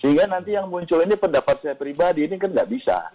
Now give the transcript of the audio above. sehingga nanti yang muncul ini pendapat saya pribadi ini kan nggak bisa